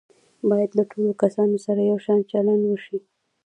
باید له ټولو کسانو سره یو شان چلند وشي.